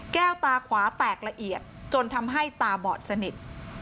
ตาขวาแตกละเอียดจนทำให้ตาบอดสนิท